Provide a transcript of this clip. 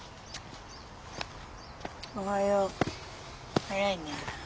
おはよう早いね。